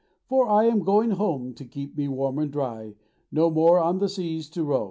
For I am going home, To keep me warm and dry, No more on the seas to roam.